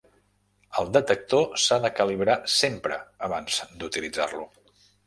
El detector s'ha de calibrar sempre abans d'utilitzar-lo.